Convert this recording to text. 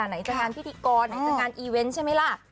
ไหนจะงานพิธีกรไหนจะงานอีเวนต์ใช่ไหมล่ะ